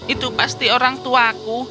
itu pasti orang tuaku